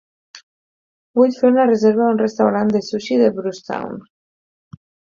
Vull fer una reserva a un restaurant de sushi de Brucetown